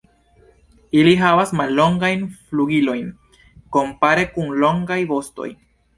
Ili havas mallongajn flugilojn kompare kun longaj vostoj.